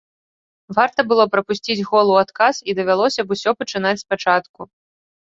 Варта было прапусціць гол у адказ, і давялося б усё пачынаць спачатку.